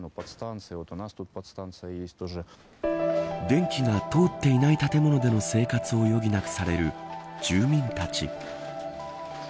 電気が通っていない建物での生活を余儀なくされる住民たち。